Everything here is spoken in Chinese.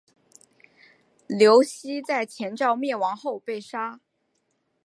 刘熙在前赵灭亡后被杀。